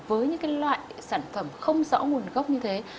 với những loại sản phẩm không rõ nguồn gốc như thế